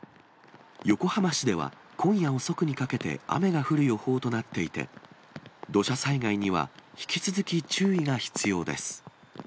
横浜市では、今夜遅くにかけて雨が降る予報となっていて、土砂災害には引き続き注意が必要です。